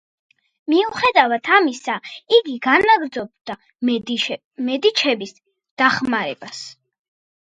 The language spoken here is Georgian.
მიუხედავად ამისა, იგი განაგრძობდა მედიჩების დახმარებას.